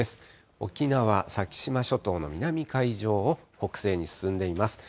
沖縄・先島諸島の南海上を、北西に進んでいます。